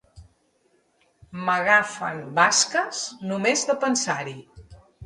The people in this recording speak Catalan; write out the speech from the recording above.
M'agafen basques només de pensar-hi.